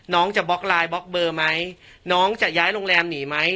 น้องจะบล็อกไลน์บล็อกเบอร์ไหมน้องจะย้ายโรงแรมหนีไหม